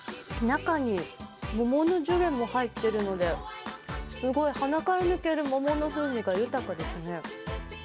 中に桃のジュレも入っているので、すごい、鼻から抜ける桃の風味が豊かですね。